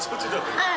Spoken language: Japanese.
はい。